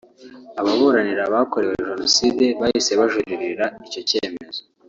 Ababuranira abakorewe Jenoside bahise bajuririra icyo cyemezo